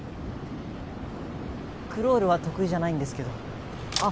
クロールは得意じゃないんですけどあっ